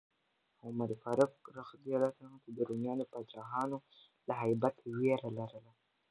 عمر فاروق ته د رومیانو پاچاهانو له هیبته ویره لرله.